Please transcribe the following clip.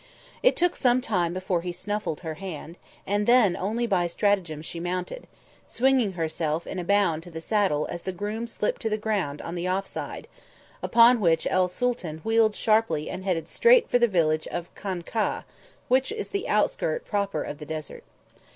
It took some time before he snuffled her hand, and then only by stratagem she mounted, swinging herself in a bound to the saddle as the groom slipped to the ground on the off side; upon which el Sooltan wheeled sharply and headed straight for the village of Khankah, which is the outskirt proper of the desert.